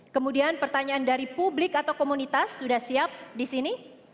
kemudian pertanyaan dari publik atau komunitas sudah siap di sini